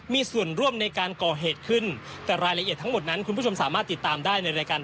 มีส่วนร่วมในการก่อเหตุขึ้นแต่รายละเอียดทั้งหมดนั้นคุณผู้ชมสามารถติดตามได้ในรายการ